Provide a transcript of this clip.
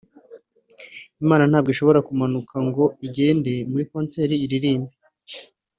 Imana ntabwo ishobora kumanuka ngo igende muri concert iririmbe